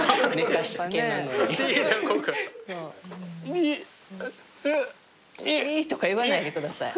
イッとか言わないでください。